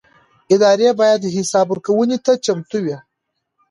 ادارې باید حساب ورکونې ته چمتو وي